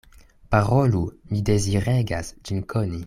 Parolu; mi deziregas ĝin koni.